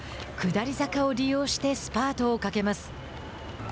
下り坂を利用してスパートをかけます。